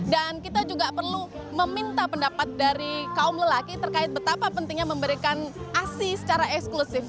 dan kita juga perlu meminta pendapat dari kaum lelaki terkait betapa pentingnya memberikan asi secara eksklusif